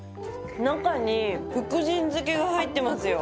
中に福神漬けが入ってますよ。